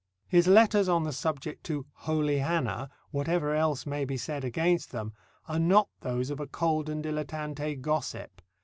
His letters on the subject to "Holy Hannah," whatever else may be said against them, are not those of a cold and dilettante gossip.